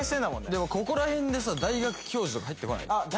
でもここら辺でさ大学教授とか入ってこない？